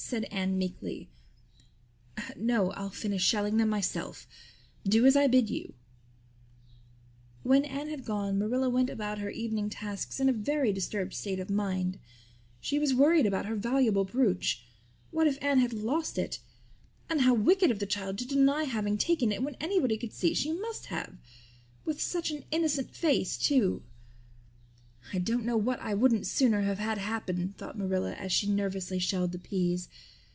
said Anne meekly. "No, I'll finish shelling them myself. Do as I bid you." When Anne had gone Marilla went about her evening tasks in a very disturbed state of mind. She was worried about her valuable brooch. What if Anne had lost it? And how wicked of the child to deny having taken it, when anybody could see she must have! With such an innocent face, too! "I don't know what I wouldn't sooner have had happen," thought Marilla, as she nervously shelled the peas.